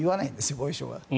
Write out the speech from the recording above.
防衛省は。